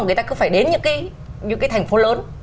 người ta cứ phải đến những cái thành phố lớn